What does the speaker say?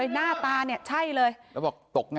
ตกมานานนี้หรือยัง